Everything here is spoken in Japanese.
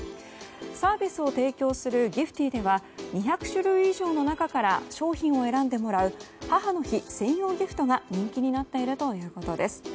サービスを提供するｇｉｆｔｅｅでは２００種類以上の中から商品を選んでもらう母の日専用ギフトが人気になっているということです。